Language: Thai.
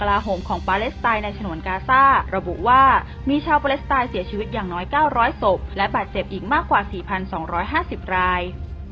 ลาโหมของปาเลสไตน์ในฉนวนกาซ่าระบุว่ามีชาวปาเลสไตน์เสียชีวิตอย่างน้อย๙๐๐ศพและบาดเจ็บอีกมากกว่า๔๒๕๐ราย